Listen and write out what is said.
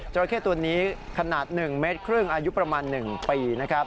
เจ้าระเทศตัวนี้ขนาด๑๕เมตรอายุประมาณ๑ปีนะครับ